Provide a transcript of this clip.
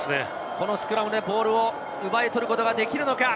このスクラムでボールを奪うことができるか。